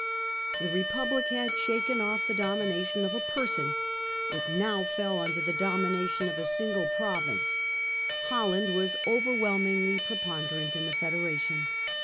The Republic had shaken off the domination of a person ; it now fell under the domination of a single Supremacy province. Holland was overwhelmingly pre of Holland, ponderant in the federation.